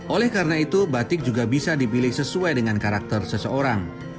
oleh karena itu batik juga bisa dipilih sesuai dengan karakter seseorang